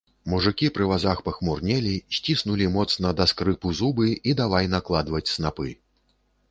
Мужыкі пры вазах пахмурнелі, сціснулі моцна, да скрыпу, зубы і давай накладваць снапы.